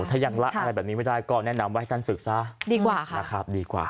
ถ้ายังละอะไรแบบนี้ไม่ได้ก็แนะนำว่าให้ท่านฝึกซะดีกว่าค่ะนะครับดีกว่า